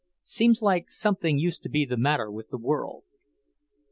Seems like something used to be the matter with the world."